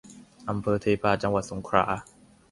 อำเภอเทพา จังหวัดสงขลา